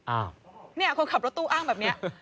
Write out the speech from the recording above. อ้าวเนี่ยคนขับรถตู้อ้างแบบนี้